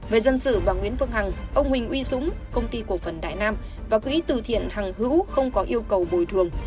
về dân sự bà nguyễn phương hằng ông huỳnh huy dũng công ty cổ phần đài nam và quỹ tử thiện hằng hữu không có yêu cầu bồi thường